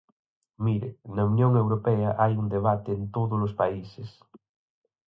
Mire, na Unión Europea hai un debate en todos os países.